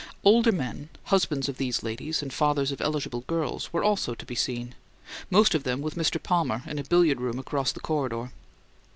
Older men, husbands of these ladies and fathers of eligible girls, were also to be seen, most of them with Mr. Palmer in a billiard room across the corridor.